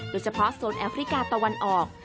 โดยเฉพาะโซนแอฟริกาตะวันออก